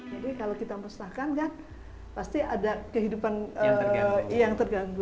jadi kalau kita musnahkan kan pasti ada kehidupan yang terganggu